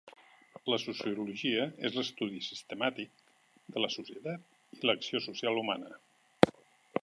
La sociologia és l'estudi sistemàtic de la societat i l'acció social humana.